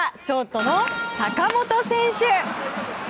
ショートの坂本選手。